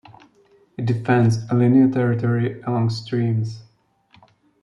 It defends a linear territory along streams.